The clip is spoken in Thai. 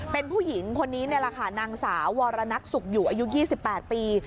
เป็นผู้หญิงคนนี้นี่แหละค่ะนางสาววรนักสุขอยู่อายุ๒๘ปี